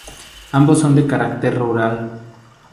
Ambos son de carácter rural.